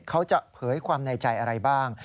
เขาจะเผยความในใจอะไรบ้าง